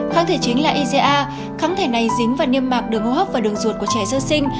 kháng thể chính là iga kháng thể này dính và niêm mạc đường hô hốc và đường ruột của trẻ sơ sinh